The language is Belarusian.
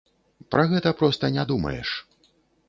Пра гэта проста не думаеш.